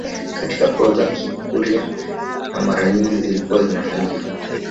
Katika koo za kikurya na mara nyingi zilikuwa zinafanyika